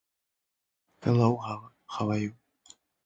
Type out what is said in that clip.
A cold chain can be managed by a quality management system.